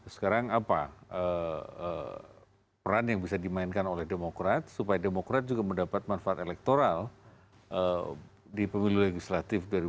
sekarang apa peran yang bisa dimainkan oleh demokrat supaya demokrat juga mendapat manfaat elektoral di pemilu legislatif dua ribu sembilan belas